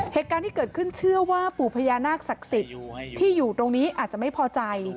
เหตุการณ์ที่เกิดขึ้นเชื่อว่าปู่พญานาคศักดิ์สิทธิ์ที่อยู่ตรงนี้อาจจะไม่พอใจ